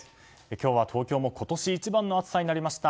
今日は東京も今年一番の暑さになりました。